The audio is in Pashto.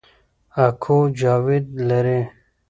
اکو جاوید لري